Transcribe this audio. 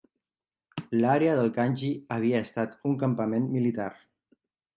L'àrea de Kanji havia estat un campament militar.